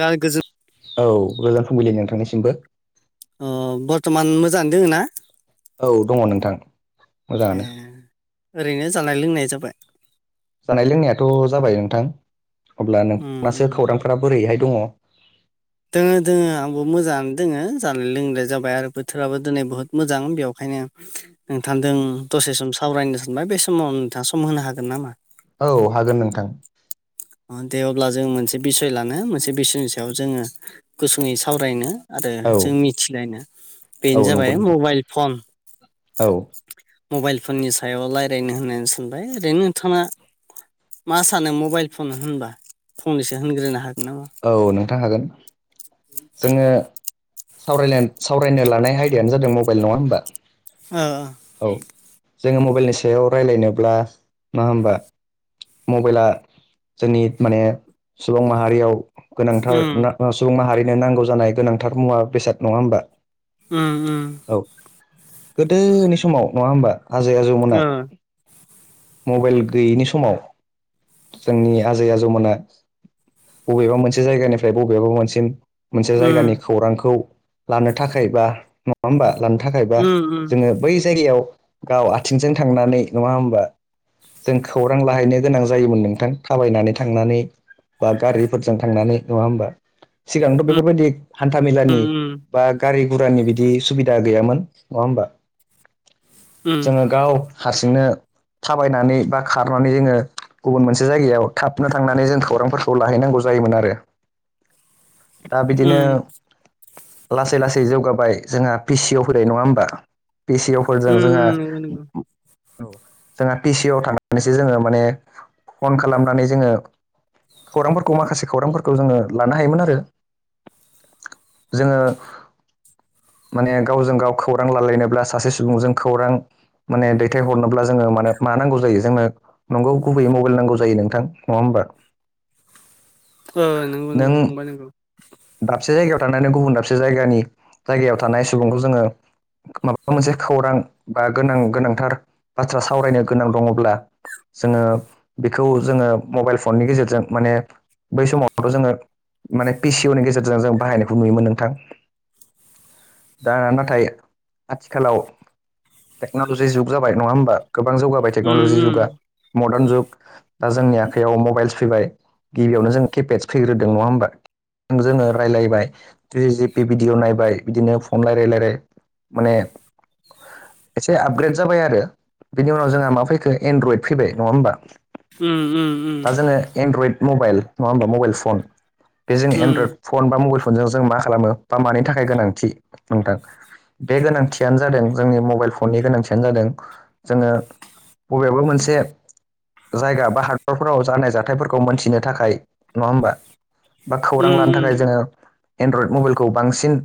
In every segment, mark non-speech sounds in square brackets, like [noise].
गान गोजोन औ गोजान फुंबिलि नोंथांनिसिमबो अ बर्थ'मान मोजाङानो दोङो ना औ दङ नोंथां ए मोजाङानो ओरैनो जानाय लोंनाय जाबाय जानाय लोंनायाथ' जाबाय नोंथां अब्ला उम उम नोंथाङासो खौरांफोरा बोरैहाय दङ दोङो दोङो आंबो मोजाङानो दोङो जानाय लोंनायालाय जाबाय आरो बोथोराबो दिनै बुहुत मोजां बेखायनो नोंथांजों दसे सम सावरायनो सानबाय बे समाव नोंथाङा सम होनो हागोन नामा? औ हागोन नोंथां। दे अब्ला जों मोनसे बिसय लानो मोनसे बिसयनि सायाव जोङो गुसुङै सावरायनो आरो औ जों मिथिलायनो बेनो औ जाबाय नंगौ नोंथां मबाइल फन औ मबाइल फननि सायाव रायज्लायनो होननानै सानबाय ओरैनो नोंथाङा मा सानो मबाइल फुं होनबा फंनैसो होनग्रोनो हागोन नामा औ नोंथां हागोन जोङो सावरायनो लानाय आयदायानो जादों मबाइल नङा होनबा ओ औ जोङो मबाइलनि सायाव राय्लायनोब्ला मा होमबा मबाइला जोंनि माने सुबुं माहारियाव गोनांथार सुबुं माहारिनो नांगौ जानाय गोनांथार मुवा बेसाद नङा होमबा उम उम औ गोदोनि समाव नङा होमबा आजै आजौमोना मबाइल गैयैनि समाव जोंनि आजै आजौमोना बबेबा मोनसे जायगानिफ्राय बबेबा मोनसेसिम मोनसे जायगानि खौरांखौ लानो थाखाय बा नङा होमबा लानो थाखायबा जोङो बै जायगायाव गाव आथिंजों थांनानै नङा होमबा जों खौरां लाहैनो गोनां जायोमोन नोंथां थाबायनानै थांनानै बा गारिफोरजों थांनानै नङा होमबा सिगांथ बेफोरबायदि हान्थाामेलानि बा गारि गुरानि बिदि सुबिदा दा गैयामोन नङा होमबा जोङो गाव हारसिंनो थाबायनानै बा खारनानै जोङो गुबुन मोनसे जायगायाव थाबनो थांनानै जों खौरांफोरखौ लाहैनांगौ जायोमोन आरो [inaudible] दा बिदिनो लासै लासै जौगाबाय जोंहा पिसिअ फैबाय नङा होमबा पिसिअफोरजों जोंहा नंगौ नंगौ जोंहा पिसि आव थनानैसो जोङो माने फन खालामनानै जोङो खौरांफोरखौ माखासे खौरांफोरखौ जोङो लानो हायोमोन आरो जोङो माने गावजों गाव खौरां लालायनोब्ला सासे सुबुंजों खौरां माने दैथाय हरनोब्ला जोङो माने मा नांगौ जायो जोंनो नंगौ गुबैयै मबाइल नांगौ जायो नोंथां नङा होमबा नंगौ नों नंगौ फंबाय नोंगौ दाबसे जायगायाव थानानै गुबुन दाबसे जायगानि जायगायाव थानाय सुबुंखौ जोङो माबा मोनसे खौरां बा गोनां गोनांथार बाथ्रा सावरायनो गोनां दङब्ला जोङो बेखौ जोङो मबाइल फननि गेजेरजों माने बै समावथ जोङो माने पिसिअ नि गेजेरजों जों बाहायनायखौ नुयोमोन नोंथां दा नाथाय आथिखालाव टेक्नलजि जुग जाबाय नङा होमबा गोबां जौगाबाय उम टेक्नलजि उम जुगा मदार्न जुग दा जोंनि आखयाव मबाइल्स फैबाय गिबियावनो जों केपेटस फैग्रोदों नङा होमबा जोङो रायजलायबाय ज जि पि भिडिअ नायबाय बिदिनो फन रायलाय रायलाय माने एसे आपग्रेड जाबाय आरो बिनि उनाव जोंहा माबा फैखो एनड्रइद फैबाय नङा होमबा उम उम दा जोङो एनड्रइड मबाइल नङा हबा मबाइल फन बे जोंनि उम एनड्रइड फन बा मबाइल फनजों जों मा खालामो बा मानि थाखाय गोनांथि नोंथां बे गोनांथियानो जादों जोंनि मबाइल फननि गोनांथियानो जादों जोङो बबेबा मोनसे जायगा बा हादरफोराव जानाय जाथायफोरखौ खौ मोनथिनो थाखाय नङा हबा बा उम खौरां लानो उम थाखाय जोङो एन्ड्रइड मबाइलखौ बांसिन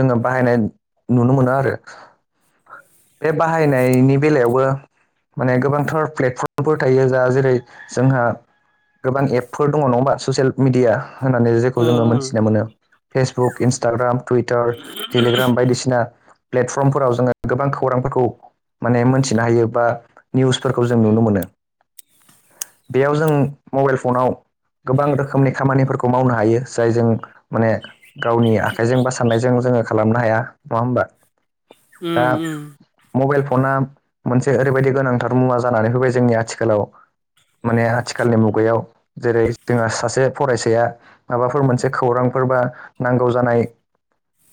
जोङो बाहायनाय नुनो मोनो आरो बे बाहायनायनि बेलायावबो माने गोबांथार प्लेटफर्मफोर थायो जा जेरै जोंहा गोबां एपफोर दङ नङाबा ससियेल मिडिया होननानै जेखौ ओ जोङो ओ मोनथिनो मोनो फेसबुक इन्सटाग्राम टुइटार टेलिग्राम बायदिसिना प्लेटफर्मफोराव जोङो गोबां खौरांफोरखौ माने मोनथिनो हायो बा निउसफोरखौ जों नुनो मोनो बेयाव जों मबाइल फनाव गोबां रोखोमनि खामानिफोरखौ मावनो हायो जायजों माने गावनि आखाइजों बा सान्नायजों जोङो खालामनो हाया नङा होमबा दा उम उम मबाइल फना मोनसे ओरैबायदि गोनांथार मुवा जानानै फैबाय जोंनि आथिखालाव माने आथिखालनि मुगायाव जेरै जोंहा सासे फरायसाया माबाफोर मोनसे खौरांफोर बा नांगौ जानाय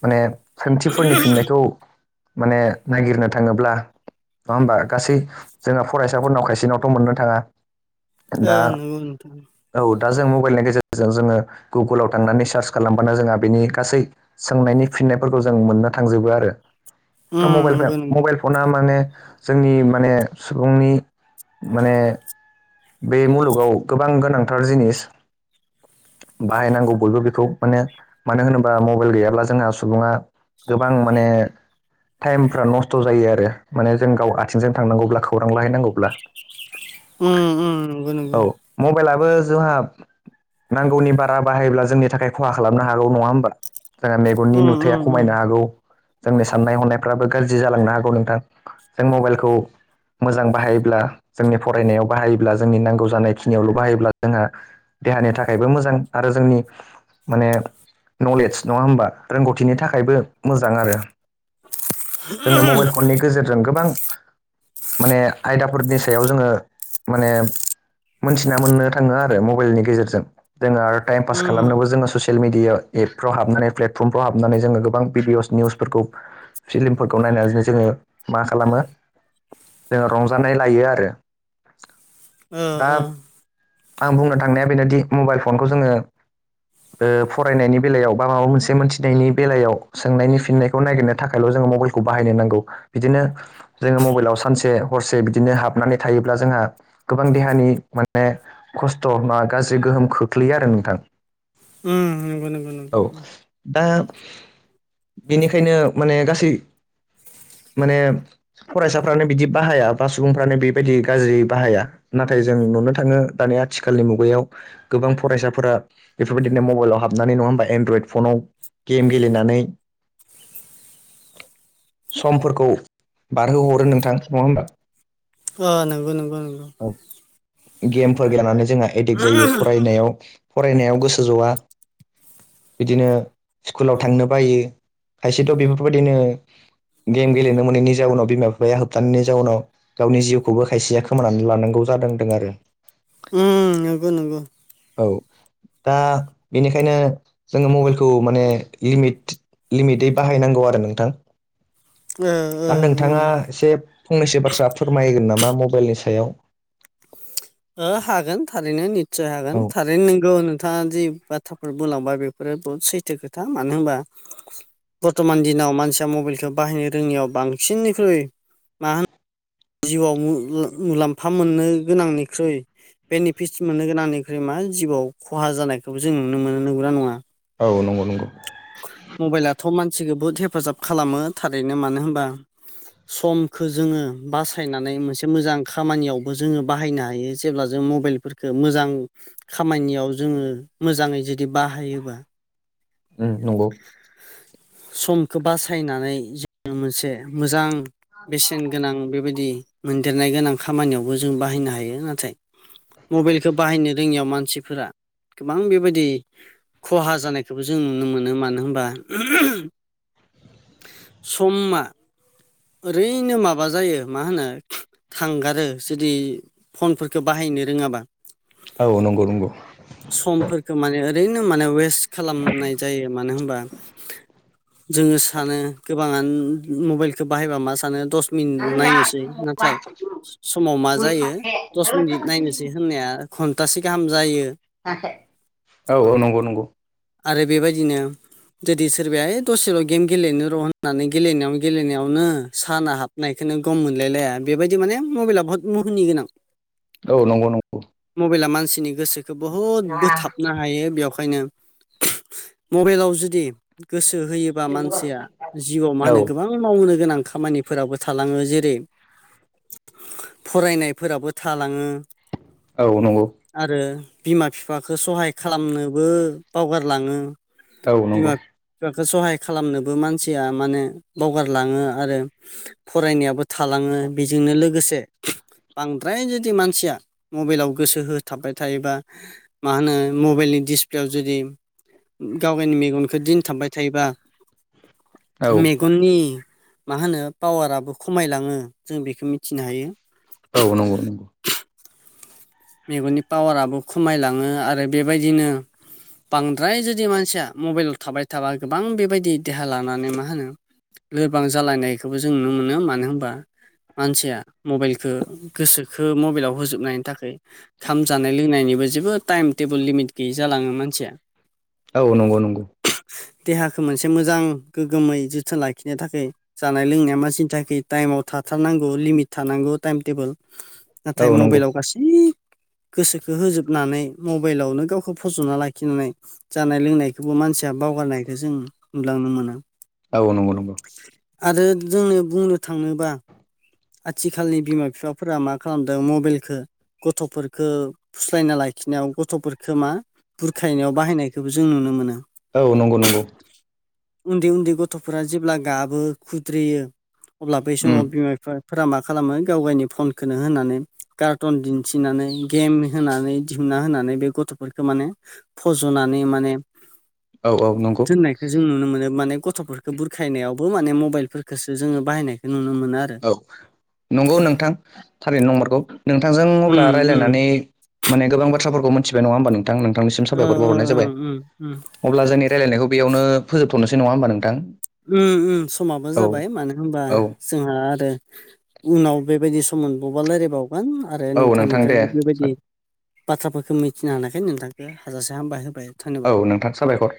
माने सोंथिफोरनि फिननायखौ माने नागिरनो थाङोब्ला नङा होमबा गासै जोंना फरायसाफोरनाव खायसेनावथ' मोननो थाङा आ दा नंगौ नोंथां औ दा जों मबाइलनि गेजेरजों जोङो गुगोलाव थांनानै सार्च खालामबानो जोंहा बेनि गासै सोंनायनि फिननायफोरखौ जों मोननो थांजोबो आरो उम नंगौ नंगौ मबाइल फना माने जोंनि माने सुबुंनि माने बे मुलुगाव गोबां गोनांथार जिनिस बाहायनांगौ बयबो बेखौ माने मानो होनोबा मबाइल गैयाब्ला जोंहा सुबुङा गोबां माने टाइमफ्रा नसथ' जायो आरो माने जों गाव आथिंजों थांनांगौब्ला खौरां लाहैनांगौब्ला ओम ओम औ मबाइलाबो जोंहा नांगौनि बारा बाहायोब्ला जोंनि थाखाय खहा खालामनो हागौ नङा होमबा जोंहा मेगननि उम नुथाया उम खमायनो उम हागौ जोंनि साननाय हनायफ्राबो गाज्रि जालांनो हागौ नोंथां जों मबाइलखौ मोजां बाहायोब्ला जोंनि फरायनायाव बाहायोब्ला जों जोंनि नांगौ जानायखिनियावल' बाहायोब्ला जोंहा देहानि थाखायबो मोजां आरो जोंनि माने नलेज नङा होमबा रोंगौथिनि थाखायबो मोजां आरो [unintelligible] जोङो मबाइल फननि गेजेरजों जों गोबां माने आयदाफोरनि सायाव जोङो माने मोनथिना मोननो थाङो आरो मबाइलनि गेजेरजों जों आरो टाइम फास खालामनो उम जों ससियेल मिडिया एपफ्राव हाबनानै प्लेटफर्मफ्राव हाबनानै जोङो गोबां भिदिअस निउसफोरखौ फिल्मफोरखौ नायनानैनो जोङो मा खालामो जोङो रंजानाय लायो आरो ओ दा ओ आं बुंनो थांनाया बेनोदि मबाइल फनखौ जोङो फरायनायनि बेलायाव बा माबा मोनसे मोनथिनायनि बेलायाव सोंनायनि फिननायखौ नागिरनो थाखायल' जोङो मबाइल खौ बाहायनो नांगौ बिदिनो जोङो मबाइलाव सानसे हरसे बिदिनो हाबनानै थायोब्ला जोंहा गोबां देहानि माने खसथ' बा गाज्रि गोहोम खोख्लैयो आरो नोंथां ओम नंगौ नगौ नंगौ औ दा बेनिखायनो माने गासै माने फरायसाफ्रानो बिदि बाहाया बा सुबुंफ्रानो बेबायदि गाज्रि बाहाया नाथाय जों नुनो थाङो दानि आथिखालनि मुगायाव गोबां फरायसाफोरा बेफोरबायदिनो मबाइलाव हाबनानै नङा होमबा एनड्रयड फनाव गेम गेलेनानै [inaudible] [inaudible] समफोरखौ बारहो हरो नोंथां नङा होमबा अ नंगौ नंगौ नंगौ गेमफोर गेलनानै जोंहा एडिक्ट जायो फरायनायाव फरायनायाव गोसो जवा बिदिनो स्कुलाव थांनो बायो खायसेथ' बेफोरबायदिनो गेम गेलेनो मोनैनि जाउनाव बिमा बिफाया होबथानायनि जाउनाव गावनि जिउखौबो खायसेया खोमानानै लानांगौ जादों होनदों आरो उ नंगौ नंगौ औ दा बेनिखायनो जोङो मबाइलखौ माने लिमिट लिमिटै बाहायनांगौ आरो नोंथां ओ ओ दा ओ नोंथाङा एसे फंनैसो बाथ्रा फोरमायगोन नामा मबाइलनि सायाव हागोन थारैनो निस्सय हागोन औ थारैनो नोंगौ नोंथाङा जि बाथ्राफोर बुंलांबा बेफोरो बुहुत सैथो खोथा मानो होनबा बर्थमान दिनाव मानसिया मबाइलखौ बाहायनो रोङैयाव बांसिननिख्रुइ मा होन जिउआव मुलाम्फा मोननो गोनांनिख्रुइ बेनिफिट्स मोननो गोनांनिख्रुइ मा जिउआव खहा जानायखौबो जों नुनो मोनो नंगोना नङा औ नंगौ नंगौ मबाइलाथ' मानसिखौ बहुत हेफाजाब खालामो थारैनो मानो होनबा समखौ जोङो बासायनानै मोनसे मोजां खामानियावबो जोङो बाहायनो हायो जेब्ला जों मबाइल फोरखो मोजां खामानियाव जोङो मोजाङै जुदि बाहायोबा उ नंगौ समखौ बासायनानै जोङो मोनसे मोजां बेसेन गोनां बेबायदि मोनदेरनाय गोनां खामानियावबो जों बाहायनो हायो नाथाय मबाइलखौ बाहायनो रोङियाव मानसिफोरा गोबां बेबायदि खहा जानायखौबो जों नु नुनो मोन मानो होनबा समा ओरैनो माबा जायो मा होनो थांगारो जुदि फनफोरखौ बाहायनो रोङाबा औ नंगौ नंगौ समफोरखौ माने ओरैनो माने वेस्ट खालामनाय जायो मानो होनबा जोङो सानो गोबाङानो मबाइलखौो बाहायबा मा सानो दस मिनिटल' नायनोसै नाथाय समाव मा जायो दस मिनिट नायनोसै होननाया घन्टासे गाहाम जायो। औ औ नंगौ नंगौ आरो बेबायदिनो जुदि सोरबाया इ दसेल' गेम गेलेनो र' होननानै गेलेनायाव गेलेनायाव नो साना हाबनायखौोननो गम मोनलायलाया बेबायदि माने मबाइला बुहुत मुहनि गोनां। औ नंगौ नंगौ मबाइला मानसिनि गोसोखौ बहुद बोथाबनो हायो बेवहायनो मबेलाव जुदि गोसो हो बा मानसिया जिउआव मा औ होनो नंगौ गोबां मावनो गोनां खामानिफोराबो थालाङो जेरै फरायनायफोराबो थालाङो। औ नंगौ आरो बिमा बिफाखौ सहाय खालामनोबो बावगारलाङो। औ बिमा बिफाखौ सहाय खालामनोबो मानसिया माने बावगारलाङो आरो। आरो फरायनायाबो थालाङो बेजोंनो लोगोसे बांद्राय जुदि मानसिया मबाइलाव गोसो होथाबबाय थायो बा मा होनो मबाइलनि दिडिसप्लेयाव जुदि गाव गावनि मेगनखौ दिन थांबाय थायोबा मेगननि मा होनो पावाराबो खमायलाङो जों बेखौ मिथिनो हायो। औ नंगौ नंगौ मेगननि पावाराबो खमायलाङो आरो बेबायदिनो बांद्राय जुदि मानसिया मबाइलाव थाबाय थाबा गोबां बेबायदि देहा लानानै मा होनो? लोरबां जालायनायखौबो जों नुनो मोनो मानो होनबा मानसिया मबाइलखौ गोसोखो मबाइलाव होजोबनायनि थाखाय ओंखाम जानाय लोंनायनिबो जेबो टाइम टेबोल लिमिट गैयै जालाङो मानसिया। औ नंगौ नंगौ देहाखौ मोनसे मोजां गोग्गोमै जोथोन लाखिनो थाखाय जानाय लोंनाया मानसिनि थाखाय टाइमाव थाथारनांगौ लिमिट थानांगौ टाइम टेबोल नाथाय औ नंगौ औ नंगौ मबाइलाव गासै गोसोखौ होजोबनानै मबाइलावनो गावखौ फज'ना लाखिनानै जानाय लोंनायखौबो मानसिया बावगारनायखौो जों नुलांनो मोनो। औ नंगौ नंगौ आरो जोंनो बुंनो थाङोबा आथिखालनि बिमा बिफाफोरा मा खालामदों मबाइलखौ गथ'फोरखौ फुस्लायना लाखिनायाव गथ'फोरफोरखौ मा? बुरखायनायाव बाहायनायखौबो जों नुनो मोनो। औ नंगौ नंगौ उन्दै उन्दै गथ'फोरा जेब्ला गाबो खुद्रियो अब्ला बै उम समाव बिमा बिफाफोरा मा खालामो गाव गावनि फनखौनो होननानै कार्टुन दिन्थिनानै गेम होनानै दिहुनना होनानै बे गथ'फोरखौ माने फज'नानै माने औ औ नंगौ बेखौ जों नुनो मोनो माने गथ'फोरखौ बुरखायनायावबो माने मबाइलफोरखोसो जोङो बाहायनायखौ नुनो मोनो आरो। औ नंगौ नोंथां थारैनो नंमारगौ नोंथांजों अब्ला उम उम रायलायनानै माने गोबां बाथ्राफोरखौ मिथिबाय नङा होमबा नोंथां नोंथांनिसिम ओ साबायखर ओ बावहरनाय जाबाय। ओं उम उम अब्ला जोंनि रायलायनायखौ बेयावनो फोजोबथ'नोसै नङा ओमबा नोंथां? उम उम समाबो औ जाबाय मानो होमबा औ जोंहा आरो उनाव बेबायदि सम मोनबावबा रालायबावगोन। आरो औ नोंथां दे नोंथांनिफ्रायबो बेबायदि बाथ्राफोरखौ मिथिनो हानायखाय नोंथांखौ हाजासे हामबाय होबाय। धन्यबाद। औ नोंथां साबायखर